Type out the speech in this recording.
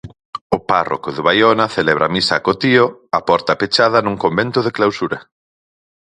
O párroco de Baiona celebra misa acotío a porta pechada nun convento de clausura.